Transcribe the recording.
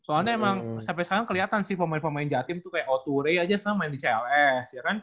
soalnya emang sampai sekarang keliatan sih pemain pemain jahat tim itu kayak o dua ray aja selalu main di cls